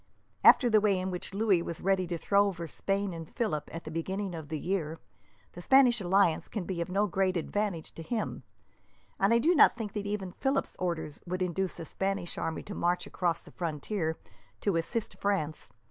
After the way in which Louis was ready to throw over Spain and Philip at the beginning of the year, the Spanish alliance can be of no great advantage to him, and I do not think that even Philip's orders would induce a Spanish army to march across the frontier to assist France.